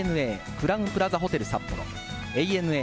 クラウンプラザホテル札幌、ＡＮＡ